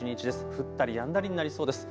降ったりやんだりになりそうです。